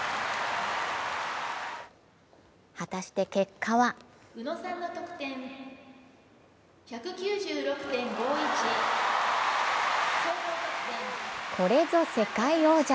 果たして結果はこれぞ世界王者。